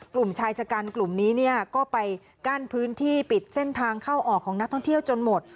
กลุ่มชายชะกันกลุ่มนี้เนี่ยก็ไปกั้นพื้นที่ปิดเส้นทางเข้าออกของนักท่องเที่ยวจนหมด